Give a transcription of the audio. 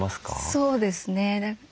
そうですね。